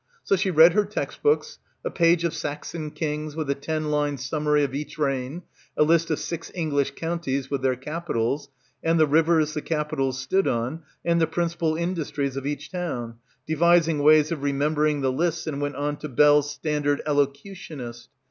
So she read her text books, a page of Saxon kings with a ten line summary of each reign, a list of six English counties with their capitals and the rivers the capitals stood on and the principal industries of each town, devising ways of remembering the lists and went on to "Bell's Standard Elocution ist."